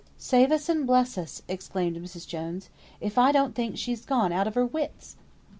"Save us, and bless us!" exclaimed Mrs. Jones, "if I don't think she's gone out of her wits!"